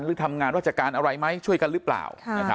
หรือทำงานราชการอะไรไหมช่วยกันหรือเปล่า